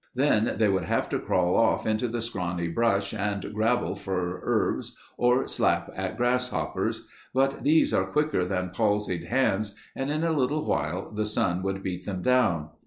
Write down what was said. Then they would have to crawl off into the scrawny brush and grabble for herbs or slap at grasshoppers, but these are quicker than palsied hands and in a little while the sun would beat them down.